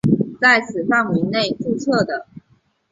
在此范围内注册的与通信相关的产业均由该局监督管理。